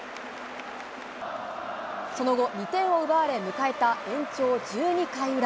その後、２点を奪われ、迎えた延長１２回裏。